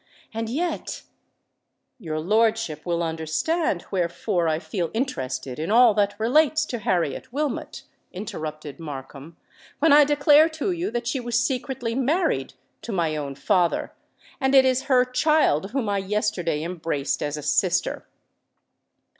and yet——" "Your lordship will understand wherefore I feel interested in all that relates to Harriet Wilmot," interrupted Markham,—"when I declare to you that she was secretly married to my own father—and it is her child whom I yesterday embraced as a sister!"